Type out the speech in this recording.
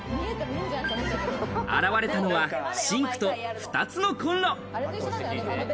現れたのはシンクと２つのコンロ。